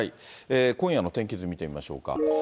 今夜の天気図見てみましょうか。